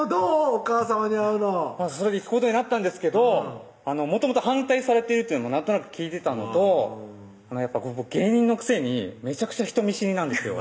お母さまに会うのそれで行くことになったんですけどもともと反対されてるっていうのなんとなく聞いてたのと僕芸人のくせにめちゃくちゃ人見知りなんですよ